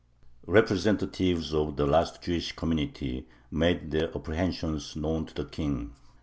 Representatives of the last Jewish community made their apprehensions known to the King.